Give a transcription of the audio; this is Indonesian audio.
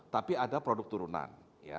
tapi ada produk turunan